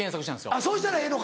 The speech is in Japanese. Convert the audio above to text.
あっそうしたらええのか。